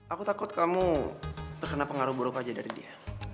aku takut kamu terkena pengaruh buruk aja dari dia